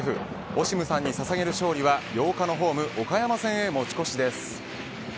オシムさんにささげる勝利は８日のホーム岡山戦へ持ち越しです。